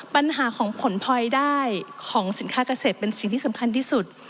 ปัญหาของผลพลอยได้ของสินค้าเกษตรเป็นสิ่งที่สำคัญที่สุด